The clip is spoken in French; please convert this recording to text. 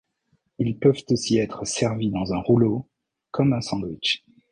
Ils peuvent aussi être servis dans un rouleau comme un sandwich.